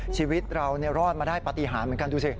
ชีวิตเรารอดมาได้ปฏิหารเหมือนกันดูสิ